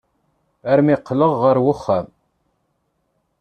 Armi qqleɣ ɣer uxxam.